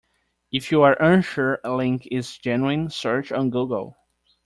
If you are unsure a link is genuine, search on Google.